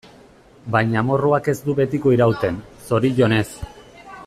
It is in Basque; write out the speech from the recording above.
Baina amorruak ez du betiko irauten, zorionez.